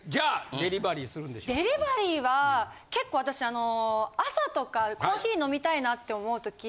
デリバリーは結構私朝とかコーヒー飲みたいなって思う時。